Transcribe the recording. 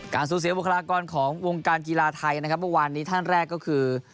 สูญเสียบุคลากรของวงการกีฬาไทยนะครับเมื่อวานนี้ท่านแรกก็คือ